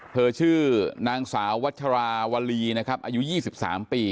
เธอชื่อนางสาววัชราวรีนะครับอายุยี่สิบสามปี